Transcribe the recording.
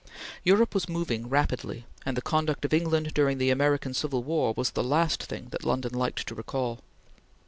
Europe was moving rapidly, and the conduct of England during the American Civil War was the last thing that London liked to recall.